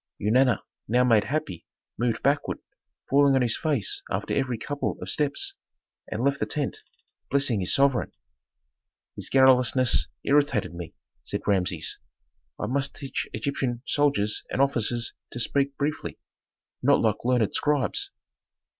Eunana, now made happy, moved backward, falling on his face after every couple of steps, and left the tent, blessing his sovereign. "His garrulousness irritated me," said Rameses. "I must teach Egyptian soldiers and officers to speak briefly, not like learned scribes."